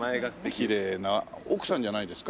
きれいな奥さんじゃないですか？